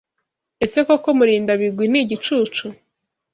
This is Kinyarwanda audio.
Ese koko Murindabigwi ni igicucu?